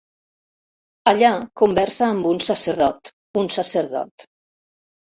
Allà conversa amb un sacerdot, un sacerdot.